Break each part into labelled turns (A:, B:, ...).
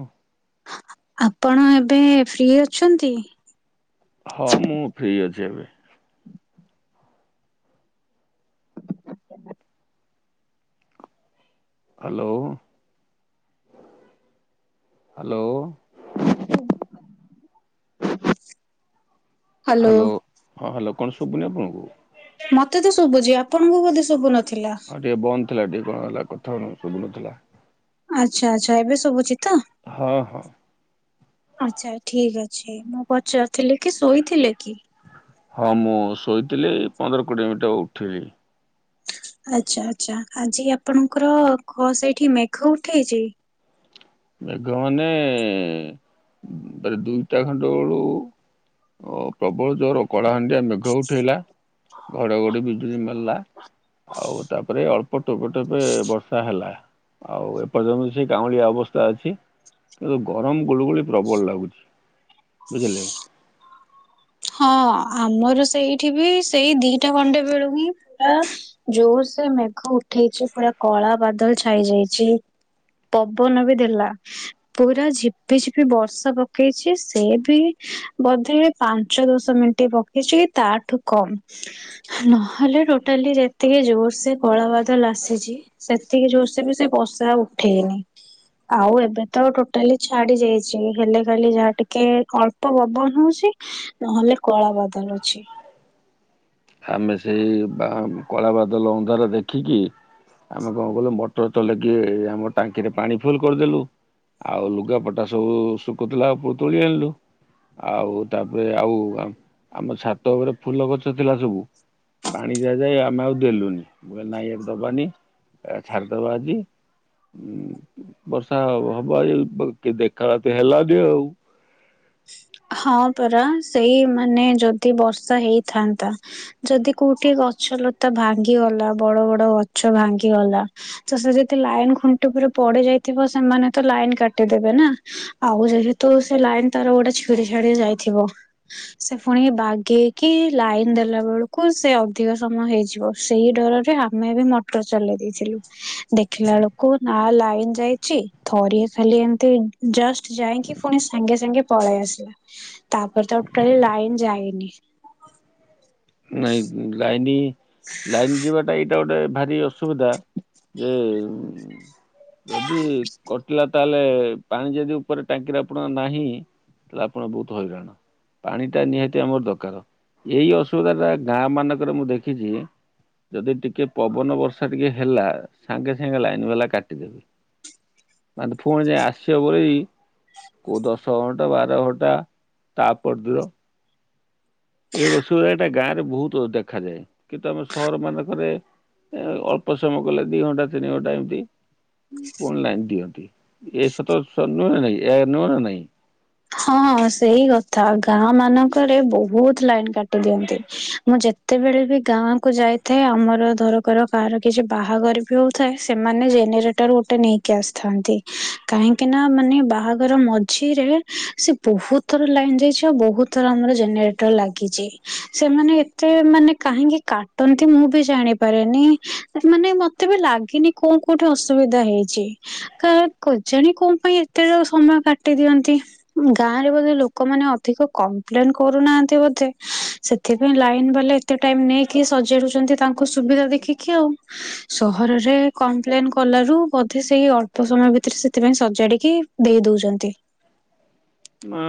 A: ଓ
B: ଆପଣ ଏବେ ଫ୍ରି ଅଛନ୍ତି?
A: ହଁ ମୁଁ ଫ୍ରି ଅଛି ଏବେ। Hello, hello.
B: ହ୍ୟାଲୋ
A: ହାଲୋ ହଁ ହାଲୋ କଣ ଶୁବୁନି ଆପଣଙ୍କୁ?
B: ମୋତେ ତ ଶୁଭୁଛି। ଆପଣଙ୍କୁ ବୋଧେ ଶୁଭୁ ନଥିଲା?
A: ହଁ ଟିକେ ବନ୍ଦ ଥିଲା ଟିକେ କଣ ହେଲା କଥା ହଉନ ଶୁବୁନଥିଲା।
B: ଆଚ୍ଛା, ଆଚ୍ଛା ଏବେ ଶୁଭୁଛି ତ?
A: ହଁ, ହଁ।
B: ଆଚ୍ଛା ଠିକ୍ ଅଛି ମୁଁ ପଚାରୁଥିଲି କି ଶୋଇଥିଲେ କି?
A: ହଁ ମୁଁ ଶୋଇଥିଲି ପନ୍ଦର କୋଡ଼ିଏ ମିନିଟ୍ ହବ ଉଠିଲି।
B: ଆଚ୍ଛା, ଆଚ୍ଛା ଆଜି ଆପଣଙ୍କର କ- ସେଇଠି ମେଘ ଉଠେଇଛି?
A: ମେଘ ମାନେ ତାର ଦିଇଟା ଖଣ୍ଡ ବେଳୁ ଅ, ପ୍ରବଳ ଜୋର କଳାହାଣ୍ଡିଆ ମେଘ ଉଠେଇଲା ଘଡ଼ ଘଡ଼ି ବିଜୁଳି ମାରଲା। ଆଉ ତାପରେ ଅଳ୍ପ ଟୋପେ ଟୋପେ ବର୍ଷା ହେଲା। ଆଉ ଏପର୍ଯ୍ୟନ୍ତ ସେ କାଉଁଳିଆ ଅବସ୍ ତା ଅଛି, କିନ୍ତୁ ଗରମ ଗୁଳୁଗୁଳି ପ୍ରବଳ ଲାଗୁଛି ବୁଝିଲେ।
B: ହଁ ଆମର ସେଇଠି ବି ସେଇ ଦିଟା ଖଣ୍ଡେ ବେଳୁ ହିଁ [inaudible] ଜୋର ସେ ମେଘ ଉଠେଇଛି ପୁରା କଳା ବାଦଲ ଛାଇ ଯାଇଛି। ପବନ ବି ଦେଲା। ପୁରା ଝିପି ଝିପି ବର୍ଷା ପକେଇଛି। ସେ ବି ବୋଧେ ପା ଞ୍ଚ ଦଶ ମିନିଟ୍ ପକେଇଚି ତାଠୁ କମ୍। ନହେଲେ ଟୋଟାଲି ଯେତିକି ଜୋର ସେ କଳା ବାଦଲ ଆସିଛି। ସେତିକି ଜୋରସେ ବି ସେ ବର୍ଷା ଉଠେଇନି। ଆଉ ଏବେ ତ ଟୋଟାଲି ଛାଡି ଯାଇଛି। ହେଲେ ଖାଲି ଯାହା ଟିକେ ଅଳ୍ ପ ପବନ ହଉଛି। ନହେଲେ କଳା ବାଦଲ ଅଛି।
A: ଆମେ ସେଇ ବା- କଳା ବାଦଲ ଅନ୍ଧାର ଦେଖିକି ଆମେ କଣ କଲୁ ମଟର ଚଲଃଇକି ଆମ ଟାଙ୍କିରେ ପାଣି ଫୁଲ୍ କରିଦେଲୁ। ଆଉ ଲୁଗାପଟା ସବୁ ଶୁକୁଥିଲା ଆଉ ଉପରୁ ତୋଳି ଆଣିଲୁ। ଆଉ ତାପରେ ଆଉ ଆମ୍ ଆମ ଛାତ ଉପରେ ଫୁଲ ଗଛ ଥିଲା ସବୁ। ପାଣି ଦିଆଯାଏ। ଆମେ ଆଉ ଦେଲୁନି। ମୁଁ କଇଲି ନାଇଁ ଏବେ ଦବାନି। ଆ, ଛାଡ଼ିଦବା ଆଜି। ଉଁ, ବର୍ଷା ହବ ଆଜି ବ- କି- ଦେଖା ତି ହେଲାନି ଆଉ।
B: ହଁ ପରା ସେଇ ମାନେ ଯଦି ବର୍ଷା ହେଇଥାନ୍ତା ଯଦି କୋଉଠି ଗଛ ଲତା ଭାଙ୍ଗିଗଲା। ବଡ ବଡ ଗଛ ଭାଙ୍ଗିଗଲା। ତ ସେ ଯଦି ଲାଇନ ଖୁଣ୍ଟି ଉପରେ ପଡି ଯାଇଥିବ ସେମାନେ ତ ଲାଇନ କାଟିଦେବେ ନା। ଆଉ ଯେହେତୁ ସେ ଲାଇନ ତାର ଗୁଡା ଛିଡି ଛାଡି ଯାଇଥିବ ସେ ଫୁଣି ବାଗେଇକି ଲାଇନ ଦେଲା ବେଳକୁ ସେ ଅଧିକ ସମୟ ହେଇଯିବ। ସେଇ ଡରରେ ଆମେ ବି ମଟର ଚଲେଇ ଦେଇଥିଲୁ। ଦେଖିଲା ଆଳକୁ ନା ଲାଇନ ଯାଇଚି ଥରିଏ ଖାଲି ଏମିତି ଜଷ୍ଟ ଯାଇକି ପୁଣି ସାଙ୍ଗେ ସାଙ୍ଗେ ପଳେଇ ଆସ ଲା ତାପରେ ତ ଟୋଟାଲି ଲାଇନ ଯାଇନି।
A: ନାଇଁ ଲାଇନି ଲାଇନ ଯିବାଟା ଏଇଟା ଗୋଟେ ଭାରି ଅସୁବିଧା ଯେ ଉଁ ଯଦି କଟିଲା ତାହେଲେ ପାଣି ଯଦି ଉପରେ ଟାଙ୍କିରେ ଆପଣଙ୍କ ନାହିଁ ତାଲେ ଆପଣ ବହୁତ ହଇରାଣ ପାଣି ଟା ନିହାତି ଆମର ଦରକାର ଏଇ ଅସୁବିଧା ଟା ଗାଁ ମାନଙ୍କରେ ମୁଁ ଦେଖିଚି ଯଦି ଟିକେ ପବନ ବର୍ଷା ଟିକେ ହେଲା ସାଙ୍ଗେ ସାଙ୍ଗେ ଲାଇନ୍ ବାଲା କାଟିଦେବେ। ମାନେ ଫୁଣି ଯାଇ ଆସିିବ ବୋଲି କୋଉ ଦଶ ଘଣ୍ଟା ବାର ଘଣ୍ଟା ତା ପର ଦିନ। ଏ ଅସୁବିଧା ଟା ଗାଁରେ ବହୁତ ଅଧିକ୍ ଦେ ଦେଖାଯାଏ କିନ୍ତୁ ଆମେ ସହର ମାନଙ୍କରେ ଏ ଅଳ୍ପ ସମୟ କଲେ ଦି ଘଣ୍ଟା ତିନି ଘଣ୍ଟା ଏମିତି କଣ ଲାଇନ୍ ଦିଅନ୍ତି ଏସତ ସ ନୁହେଁ ନା ନାହିଁ ଏ ନୁହେଁ ନା ନାଇଁ।
B: ହଁ ସେଇ କଥା ଗାଁ ମାନଙ୍କରେ ବହୁତ ଲାଇନ କାଟିଦିଅନ୍ତି ମୁଁ ଯେ ଯେତେବେଳେ ବି ଗାଁକୁ ଯାଇଥାଏ ଆମର ଧରକର କାହାର କିଛି ବାହାଘର ବି ହଉଥାଏ ସେମାନେ ଜେନେରେଟ୍ ଟର ଗୋଟେ ନେଇକି ଆସିଥାନ୍ତି କାହିଁକି ନା ମାନେ ବାହାଘର ମଝିରେ ସେ ବହୁତ ଥର ଲାଇନ ଯାଇଚି ଆଉ ବହୁତ ଥର ଆମର ଜେନେରେଟର ଲାଗିଚି ସେମାନେ ମତେ ମାନେ କାହିଁକି କାଟନ୍ତି ମୁଁ ବି ଜାଣିପାରେନି ମାନେ ମ ତେବେ ଲାଗିନି କୋଉ କୋଉଠି ଅସୁବିଧା ହେଇଛି କ କଜାଣୀ କୋଣ ପାଇଁ ଏତେ ସମୟ କାଟି ଦିଅନ୍ତି। ଗାଁ ରେ ବୋଧେ ଲୋକମାନେ ଅଧିକ କମ୍ପ୍ଲେନ କରୁନାହାନ୍ତି ବୋଧେ ସେଥିପାଇଁ ଲାଇନ ବାଲେ ଏତେ ଟାଇମ ନେଇକି ସଜାଡୁଛନ୍ତି ତାଙ୍କୁ ସୁବିଧା ଦେଖିକି ଆଉ। ସହରରେ କମ୍ପ୍ଲେନ କଲାରୁ ବୋଧେ ସେଇ ଅଳ୍ପ ସମୟ ଭିତରେ ସେଥିପାଇଁ ସଜାଡିକି ଦେଇ ଦଉଛନ୍ତି।
A: ନା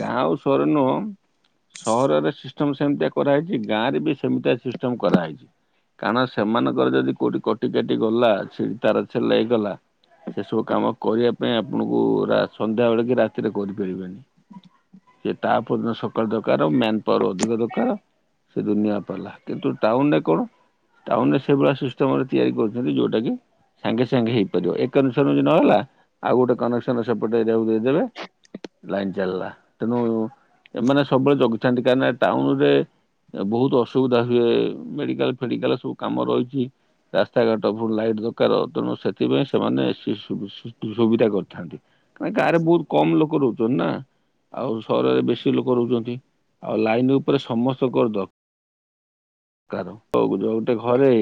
A: ଗାଁ ଆଉ ସର ନୁହଁ ସହରରେ ସିଷ୍ଟମ ସେମିତିଆ କରାହେଇଛି ଗାଁରେ ବି ସେମିତିଆ ସିଷ୍ଟମ କରାହେଇଛି। କାରଣ ସେମାନଙ୍କର ଯଦି କୋଉଠି କଟି କାଟି ଗଲା ସେ ତାର ଛିଣ୍ଡି ଗଲା ହେଇଗଲା। ସେସବୁ କାମ କରିବା ପାଇଁ ଆପଣଙ୍କୁ ସନ୍ଧ୍ୟା ବେଳେ କି ରାତିରେ କରିପାରିବେନି। ସେ ତା ପରଦିନ ସକାଳୁ ଦରକାର ଆଉ ମେନ୍ ପାୱାର ଅଧିକ ଦରକାର। ସେ ଦୁନିଆ ପାଲା କିନ୍ତୁ ଟାଉନରେ କଣ? ଟାଉନ ସେ ଭଳିଆ ସିଷ୍ଟମରେ ତିଆରି କରିଛନ୍ତି ଯୋଉଟା କି ସାଙ୍ଗେ ସାଙ୍ଗେ ହେଇପାରିବ ଏ କନେସନ ନହେଲା ଆଉ ଗୋଟେ କନେକ୍ସନ ସେପଟେ ଏରିଆକୁ ଦେଇଦେବେ। ଲାଇନ ଚାଲିଲା ତେଣୁ ଏମାନେ ସବୁବେଳେ ଜଗିଥାନ୍ତି କାହିଁକିନା ଟାଉନ ରେ ବହୁତ ଅସୁବିଧା ହୁଏ ମେଡିକାଲ ଫେଡିକାଲ ସବୁ କାମ ରହିଛି। ରାସ୍ତାଘାଟ ଉପ ଲାଇଟ୍ ଦରକାର ତେଣୁ ସେଥିପାଇଁ ସେମାନେ ସୁବିଧା କରିଥାନ୍ତି। କାହିଁକି ନା ଗାଁ ରେ ବହୁତ କମ ଲୋକ ରହୁଛନ୍ତି ନା। ଆଉ ସହରରେ ବେଶୀ ଲୋକ ରହୁଛନ୍ତି ଆଉ ଲାଇନ ଉପରେ ସମସ୍ତଙ୍କର ଦରକାର। ହଉ ଯ ଗୋଟେ ଘରେ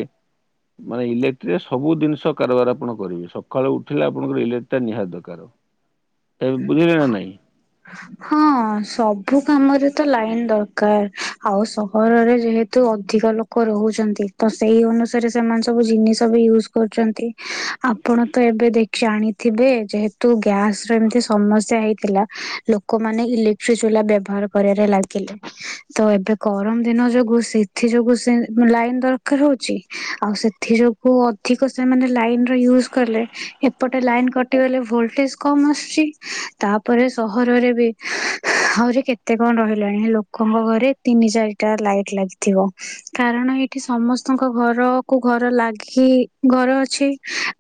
A: ମାନେ ଇଲେକ୍ଟ୍ରିରେ ସବୁ ଜିନିଷର ଆପଣ କରିବେ ସକାଳୁ ଉଠିଲେ ଆପଣଙ୍କର ଇଲେକ୍ଟ୍ରିା ନିହାତି ଦରକାର। ଏବେ ବୁଝିଲେ ନା ନାଇଁ।
B: [inaudible] ହଁ ସବୁ କାମରେ ତ ଲାଇନ ଦରକାର ଆଉ ସହରରେ ଯେହେତୁ ଅଧିକ ଲୋକ ଲୋକ ରହୁଛନ୍ତି ତ ସେଇ ଅନୁସାରେ ସେମାନେ ସବୁ ଜିନିଷ ବି ୟୁଜ କରୁଛନ୍ତି ଆପଣ ତ ଏବେ ଦେଖ ଜାଣିଥିବେ ଯେହେତୁ ଗ୍ୟାସ୍ ଜେମତି ସମସ୍ୟା ହେଇଥିଲା ଲୋକମାନୋ ଇଲେକ୍ଟ୍ରି ଚୁଲା ବ୍ୟବହାର କରିବାରେ ଲାଗିଲେ। ତ ଏବେ ଗରମ ଦିନ ଯୋଗୁ ସେଥି ଯୋଗୁ ସେ ଲାଇନ୍ ଦରକାର ହଉଛି ଆଉ ସେ ଏଥି ଯୋଗୁ ଅଧିକ ସେମାନେ ଲାଇନ ର ୟୁଜ୍ କଲେ ଏପଟେ ଲାଇନ କଟିଗଲେ ଭୋଲଟେଜ କମ ଆସୁଛି ତାପରେ ସହରରେ ବି ଆହୁରି କେତେ କଣ ରହିଲାଣି ହେ ଲୋ ଲୋକଙ୍କ ଘରେ ତିନି ଚାରିଟା ଲାଇଟ ଲାଗିଥିବ। କାରଣ ଏଇଠି ସମସ୍ତଙ୍କ ଘରକୁୁ ଘର ଲାଗି ଘର ଅଛି।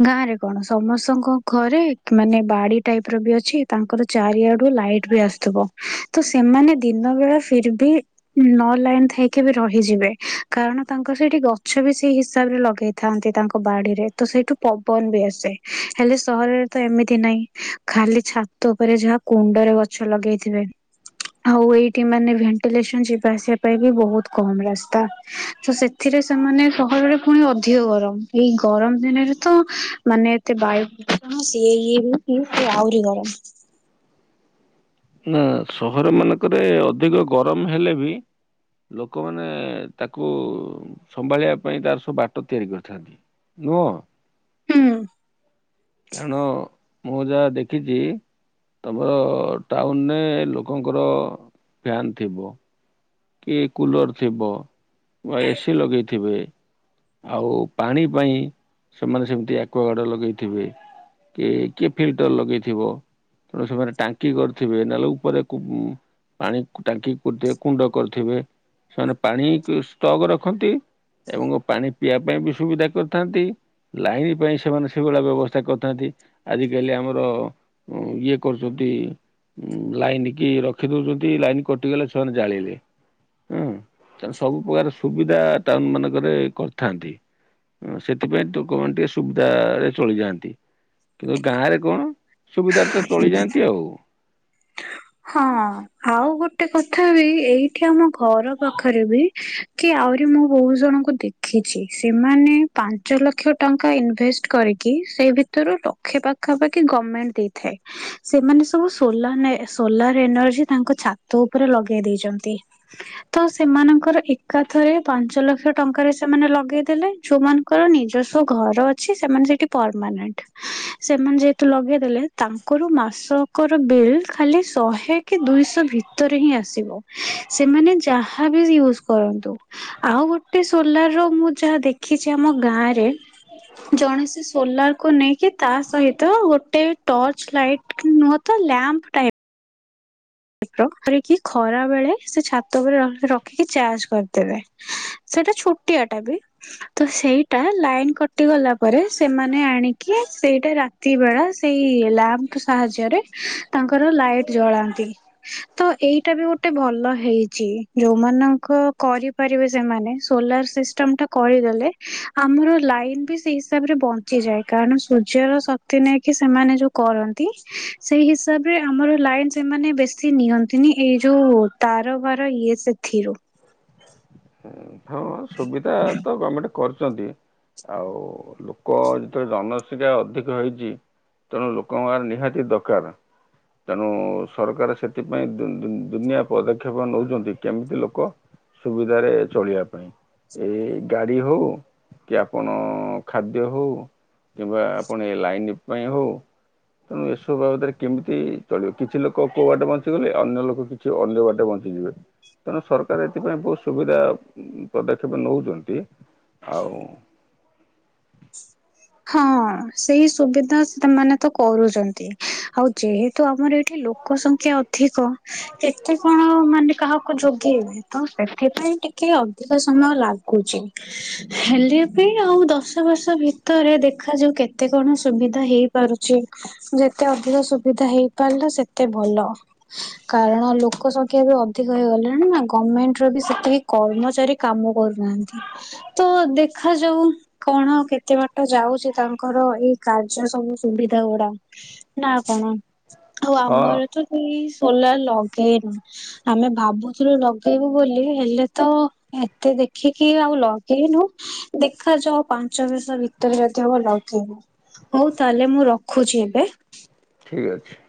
B: ଗାଁ ରେ କଣ ସମସ୍ତଙ୍କ ଘରେ ମାନେ ବାଡି ଟାଇପ ର ବି ଅଛି ତାଙ୍କର ଚାରିଆଡୁ ଲାଇଟ୍ ବି ଆସୁଥିବ ତ ସେମାନେ ଦିନ ବେଳା ଫିର ବି ନ ଲାଇନ ଥାଇକି ଏବେ ରହିଯିବେ କାରଣ ତାଙ୍କର ସେଇଠି ଗଛ ବି ସେଇ ହିସାବ ରେ ଲଗେଇ ଥାନ୍ତି ତାଙ୍କ ବାଡିରେ ତ ସେଇଠୁ ପବନ ବି ଆସେ ହେଲେ ସହରରେ ତ ଏମିତି ନାହିଁ। ଖାଲି ଛାତ ଉପରେ ଯାହା କୁଣ୍ଡରେ ଗଛ ଲଗେଇଥିବେ। ଆଉ ଏଇଠି ମାନେ ଭେଣ୍ଟିଲେସନ ଯିବା ଆସିବା ପାଇଁ ବି ବହୁତ କମ ରାସ୍ତା। ତ ସେଥିରେ ସେମାନେ ସହରରେ ପୁଣି ଅଧିକ ଗରମ ଏଇ ଗରମ ଦିନରେ ତ ମାନେ ଏତେ ବାୟୁ ପ୍ରଦୂଷଣ ସିଏ ଇଏ ହ କି ସଏ ଆହୁରି ଗରମ।
A: ହୁଁ ସହର ମାନଙ୍କରେ ଅଧିକ ଗରମ ହେଲେ ବି ଲୋକମାନେ ତାକୁ ସମ୍ଭାଳିବା ପାଇଁ ତାର ସବୁ ବାଟ ତିଆରି କରିଥାନ୍ତି। ନୁହଁ।
B: ହୁଁ।
A: କାରଣ ମୁଁ ଯାହା ଦେଖିଛି ତମର ଟାଉନରେ ଲୋକଙ୍କର ଫ୍ୟାନ ଥିବ। କି କୁଲର ଥିବ ବା ଏସିି ଲଗେଇ ଥିବେ। ଆଉ ପାଣି ପାଇଁ ସେମାନେ ସେମିତି ଆକ୍ୱଆଗାର୍ଡ ଲଗେଇ ଥିବେ। କି କିଏ ଫିଲ୍ଟର ଲଗେଇ ଥିବ। ତେଣୁ ସେମାନେ ଟାଙ୍କି କରିଥିବେ ନହେଲେ ଉପରେ କୁ ପାଣି ଟାଙ୍କିଥିବେ କୁଣ୍ଡ କରିଥିବେ ସେମାନେ ପାଣି ଷ୍ଟକ୍ ରଖନ୍ତି। ଏବଂ ପାଣି ପିଇବା ପାଇଁ ବି ସୁବିଧା କରିଥାନ୍ତି। ଲାଇନ ପାଇଁ ସେମାନେ ସେଇଭଳିଆ ବ୍ୟବସ୍ଥା କରିଥାନ୍ତି ଆଜିିକାଲି ଆମର ହ ଇଏ କରୁଛନ୍ତି। ଉଁ ଲାଇନ୍ କି ରଖି ଦଉଛନ୍ତି ଲାଇନ କଟିଗଲେ ସେମାନେ ଜାଳିଲେ। ସେମାନେ ସବୁ ପ୍ରକାର ସୁବିଧା ଟାଉନ ମାନଙ୍କରେ କରିଥାନ୍ତି। ହ ସେଥିପାଇଁ ତୁ କଣ ଟିକେ ସୁବିଧ ରେ ଚଳିଯାଆନ୍ତି। କିନ୍ତୁ ଗାଁ ରେ କଣ ସୁବିଧା ରେ ତ ଚଳିଯାଆନ୍ତି ଆଉ।
B: ହଁ। ଆଉ ଗୋଟେ କଥା ବି ଏଇଠି ଆମ ଘର ପାଖରେ ବି କି ଆହୁରି ମୁଁ ବହୁତ୍ ଜଣଙ୍କୁ ଦେଖ ରଖିଛି ସେମାନେ ପାଞ୍ଚ ଲକ୍ଷ ଟଙ୍କା ଇନଭେଷ୍ଟ କରିକି ସେ ଭିତରୁ ଟ [unintelligible] ଲକ୍ଷେ ପାଖାପାଖି ଗମେଣ୍ଟ ଦେଇଥାଏ ସେମାନେ ସବୁ ସୋଲାନେ ସୋଲାର ଏନର୍ଜି ତାଙ୍କ ଛାତ ଉପରେ ଲଗେଇ ଦେଇଛନ୍ତି। ତ ସେମାନଙ୍କର ଏକାଥରେ ପାଞ୍ଚ ଲକ୍ଷ ଟଙ୍କାରେ ସେମାନେ ଲଗେଇ ଦେଲେ ଯୋଉମାନ ଙ୍କର ନିଜସ୍ଵ ଘର ଅଛି ସେମାନେ ସେଠି ପରମାନେଣ୍ଟ ସେମାନେ ଯେହେତୁ ଲଗେଇ ଦେଲେ ତାଙ୍କର ମାସକର ବିଲ୍ ଖାଲି ଶହେ କି ଦୁଇଶହ ଭିତରେ ହିଁ ଆସିବ। ସେମାନେ ଯାହାବି ୟୁଜ କରନ୍ତୁ ଆଉ ଗୋଟେ ସୋଲାର୍ ର ମୁଁ ଯାହା ଦେଖିଛି ଆମ ଗାଁରେ। ଜଣେ ସେ ସୋଲାର୍ କୁ ନେଇକି ତା ସହିତ ଗୋଟେ ଟର୍ଚ ଲାଇଟ୍ କୁ ମୋ ତ ଲ୍ୟାମ୍ପ ଟାଇପ୍। କି ଖରା ବେଳେ ସେ ଛାତ ଉପରେ ର ରଖିକି ଚାର୍ଜ କରିଦେବେ। ସେଇଟା ଛୋଟିଆ ଟା ବି। ତ ସେଇଟା ଲାଇନ୍ କଟି ଗଲା ପରେ ସେମାନେ ଆଣିକି ସେଇଟା ରା ତି ବେଳା ସେଇ ଲାମ୍ପ ସାହାଯ୍ୟରେ ତାଙ୍କର ଲାଇଟ୍ ଜଳାନ୍ତି।
A: ହଁ
B: ତ ଏଇଟା ବି ଗୋଟେ ଭଲ ହେଇଛି। ଯୋଉମାନଙ୍କ କରିପାରିବେ ସେମାନେ ସୋଲାର୍ ସି ଟା କରିଦେଲେ ଆମର ଲାଇନ୍ ବି ସେଇ ହିସାବରେ ବଞ୍ଚିଯାଏ କାରଣ ସୂର୍ଯ୍ୟର ଶ ନେଇକି ସେମାନେ ଯୋଉ କରନ୍ତି ସେଇ ହିସାବ ରେ ଆମର ଲାଇନ ସେମାନେ ବେ ଶୀ ନିଅନ୍ତିନି ଏଇ ଯୋଉ ତାରବାର ଇଏ ସେଥିରୁ।
A: ଉଁ ହଁ ସୁବିଧା ତ ଗମେଣ୍ଟ କରୁଛନ୍ତି। ଆଉ ଲୋକ ଯେତେବେଳେ ଜନସଂଖ୍ୟା ଅଧିକ ହେଇଛି। ତେଣୁ ଲୋକଙ୍କ [unintelligible] ନିହାତି ଦକାର। ତେଣୁ ସରକାର ସେଥିପାଇଁ ଦୁ ଦୁ ଦୁନିଆ ପଦକ୍ଷେପ ନେଉଛନ୍ତି କେମିତି ଲୋକ ସୁବିଧାରେ ଚଳିବାକୁ। ପାଇଁ ଏ ଗାଡି ହଉ କି ଆପଣ ଖାଦ୍ୟ ହଉ କିମ୍ବା ଆପଣ ଏ ଲାଇନ୍ ପାଇଁ ହଉ। ତେଣୁ ଏସବୁ ବାବଦରେ କେମିତି ଚଳିବ। କିଛି ଲୋକ କୋଉ ବାଟେ ବଞ୍ଚିଗଲେ ଅନ୍ୟ ଲୋକ କି ଅନ୍ୟ ବାଟେ ବଞ୍ଚିଯିବେ। ତେଣୁ ସରକାର ଏଥିପାଇଁ ବହୁତ ସୁବିଧା ପଦକ୍ଷେପ ନଉଛନ୍ତି ଆଉ
B: ହଁ ସେଇ ସୁବିଧା ସେମାନେ ତ କରୁଛନ୍ତି। ଆଉ ଯେହେତୁ ଆମର ଏଠି ଲୋ କ ସଂଖ୍ୟା ଅଧିକ କେତେ କଣ ମାନେ କାହାକୁ ଯୋଗେଇବେ। ତ ସେଥିପାଇଁ ଟିକେ ଅଧିକ ସମୟ ଲାଗୁଛି। ହେଲେ ବି ଆଉ ଦଶ ବର୍ଷ ଭି ତରେ ଦେଖାଯାଉ କେତେ କଣ ସୁବିଧା ହେଇପାରୁଛି। ଯେତେ ଅଧିକ ସୁବିଧା ହେଇପାରିଲା ସେତେ ଭଲ। କାରଣ ଲୋକ ସଂଖ୍ୟା ବି ଅଧିକ ହେଇଗଲେଣି ନା। ଗମେଣ୍ଟ ର ବି ସେତିକି କର୍ମଚାରୀ କାମ କରୁନାହାନ୍ତି। ତ ଦେଖାଯାଉ କଣ ଆଉ କେତେ ବା ତ ଯାଉଛି ତାଙ୍କର ଏଇ କାର୍ଯ୍ୟ ସବୁ ସୁବିଧା ଗୁଡା ନା କଣ? ଆଉ
A: ହଁ
B: ଆମର ତ ସେଇ ସୋଲାର୍ ଲଗେଇନୁ। ଆମେ ଭାବୁଥିଲୁ ଲଗେଇବୁ ବୋଲି ହେଲେ ତ ଏତେ ଦେଖିକି ଆଉ ଲଗେଇନୁ। ଦେଖାଯାଉ ପାଞ୍ଚ ବର୍ଷ ଭି ତରେ ଯଦି ହବ ଲଗେଇବୁ। ହଉ ତାହେଲେ ମୁଁ ରଖୁଛି ଏବେ।
A: ଠିକ୍ ଅଛି।